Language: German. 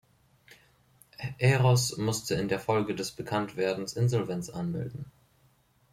Heros musste in der Folge des Bekanntwerdens Insolvenz anmelden.